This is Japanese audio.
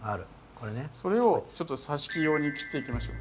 それをさし木用に切っていきましょう。